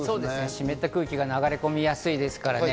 湿った空気が流れ込みやすいですからね。